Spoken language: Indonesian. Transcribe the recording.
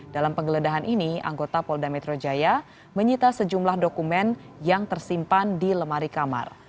dalam penggeledahan ini anggota polda metro jaya menyita sejumlah dokumen yang tersimpan di lemari kamar